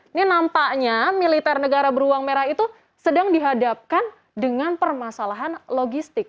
ini nampaknya militer negara beruang merah itu sedang dihadapkan dengan permasalahan logistik